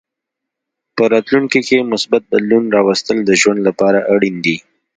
په راتلونکې کې مثبت بدلون راوستل د ژوند لپاره اړین دي.